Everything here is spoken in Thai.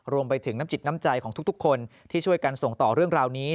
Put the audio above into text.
รวมไปถึงน้ำจิตน้ำใจของทุกคนที่ช่วยกันส่งต่อเรื่องราวนี้